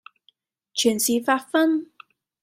全是發昏；